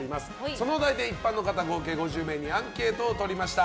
そのお題で一般の方合計５０名にアンケートを取りました。